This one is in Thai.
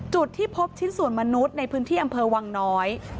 จุดที่พบชิ้นส่วนมนุษย์ในพื้นที่อำเภอวังน้อย